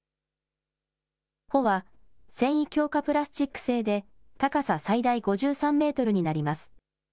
帆は、繊維強化プラスチック製で高さ最大５３メートルになります。